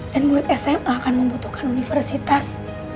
dan murid sma akan membutuhkan universitas